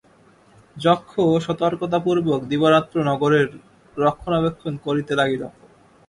যক্ষ সতর্কতাপূর্বক দিবারাত্র নগরীর রক্ষণাবেক্ষণ করিতে লাগিল।